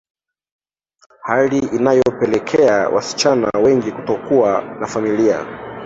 Hali inayopelekea wasichana wengi kutokuwa na famila